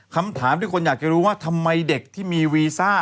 คำถามที่คนอยากจะรู้ว่าทำไมเด็กที่มีวีซ่า